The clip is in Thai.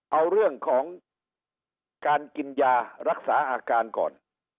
เอาเรื่องของการกินยารักษาอาการก่อน